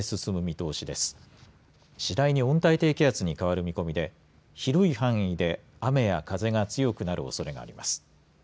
次第に温帯低気圧に変わる見込みで広い範囲で雨や風が強くなるおそれがあります。